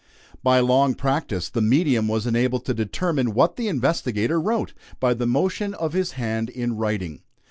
By long practice, the medium was enabled to determine what the investigator wrote, by the motion of his hand in writing.